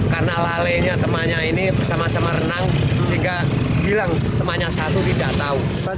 karena lalenya temannya ini bersama sama renang sehingga bilang temannya satu tidak tahu